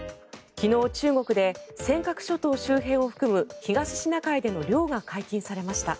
昨日、中国で尖閣諸島周辺を含む東シナ海での漁が解禁されました。